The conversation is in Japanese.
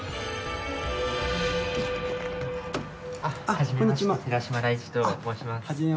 はじめまして寺嶋大智と申します。